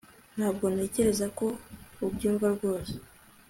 Ntabwo ntekereza ko ubyumva rwose